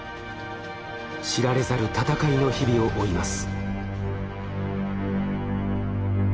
知られざる闘いの日々を追います。